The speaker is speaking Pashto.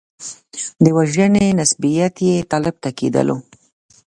د وژنې نسبیت یې طالب ته کېدلو.